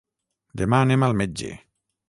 Demà anem al metge.